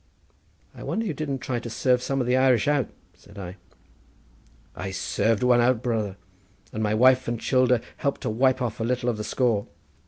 "I wonder you didn't try to serve some of the Irish out," said I. "I served one out, brother; and my wife and childer helped to wipe off a little of the score.